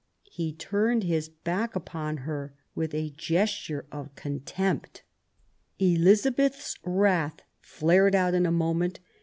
He turned his back upon her with a gesture of con tempt. Elizabeth's wrath flamed out in a moment.